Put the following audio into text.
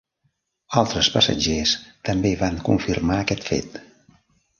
Altres passatgers també van confirmar aquest fet.